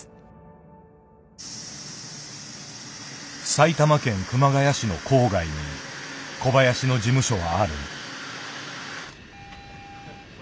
埼玉県熊谷市の郊外に小林の事務所はある。